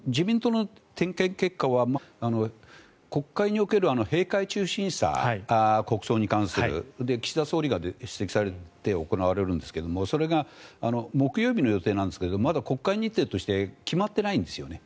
でも、公表時期が定まらないのは国会における国葬に関する閉会中審査岸田総理が出席されて行われるんですがそれが木曜日の予定なんですがまだ国会日程として決まっていないんですよね。